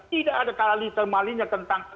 tidak ada tali temalinya tentang